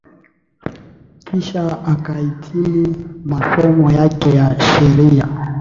kisha akahitimu masomo yake ya sheria